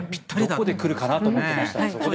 どこで来るかと思っていました。